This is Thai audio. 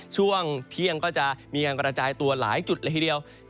ช่วงเที่ยงก็จะมีการกระจายตัวหลายจุดเลยทีเดียว